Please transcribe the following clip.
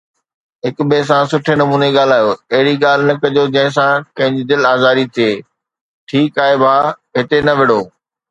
هڪ ٻئي سان سٺي نموني ڳالهايو، اهڙي ڳالهه نه ڪجو جنهن سان ڪنهن جي دل آزاري ٿئي، ٺيڪ آهي ڀاءُ هتي نه وڙهو.